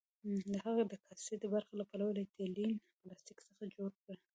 د هغه د کاسې برخه له پولي ایتلین پلاستیک څخه جوړه کړه.